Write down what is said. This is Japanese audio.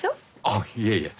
あっいえいえ。